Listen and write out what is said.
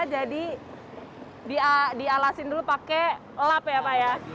jadi dialasin dulu pakai lap ya pak ya